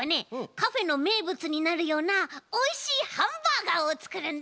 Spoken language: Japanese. カフェのめいぶつになるようなおいしいハンバーガーをつくるんだ！